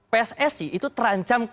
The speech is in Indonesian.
pssi itu terancam